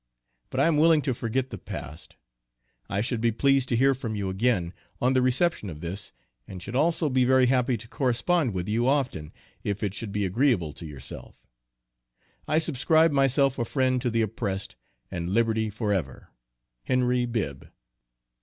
But I am willing to forget the past. I should be pleased to hear from you again, on the reception of this, and should also be very happy to correspond with you often, if it should be agreeable to yourself. I subscribe myself a friend to the oppressed, and Liberty forever. HENRY BIBB.